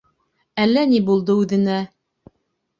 Әллә ни булды үҙенә.